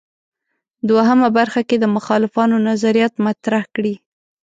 دوهمه برخه کې د مخالفانو نظریات مطرح کړي.